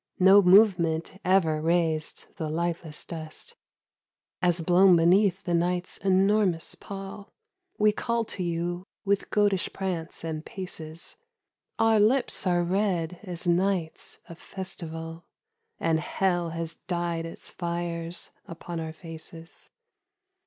No movement ever raised the lifeless dust As blown beneath the night's enormous pall We call to you with goatish prance and paces : Our lips are red as nights of festival And hell has dyed its fires upon our faces.